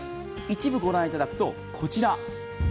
一部御覧いただくと、こちら。